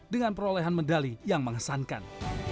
dengan perolehan medali yang mengesankan